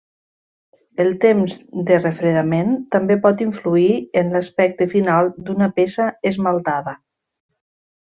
El temps de refredament també pot influir en l'aspecte final d'una peça esmaltada.